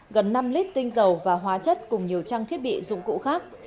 gần năm lít tinh dầu và hóa chất cùng nhiều trang thiết bị dụng cụ khác